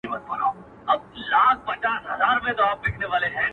و دربار ته یې حاضر کئ بېله ځنډه,